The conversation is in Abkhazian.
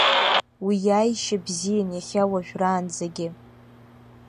Уи иааишьа бзиан иахьа уажәраанӡагьы.